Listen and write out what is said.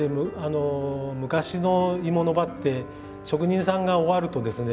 昔の鋳物場って職人さんが終わるとですね